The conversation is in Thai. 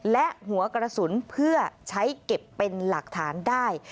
และหัวกระสุนเพื่อใช้เก็บเป็นหลักฐานได้